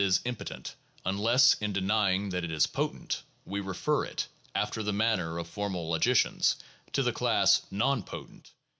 is impotent, unless, in denying that it is potent, we refer it, after the manner of formal logicians, to the class ' non potent.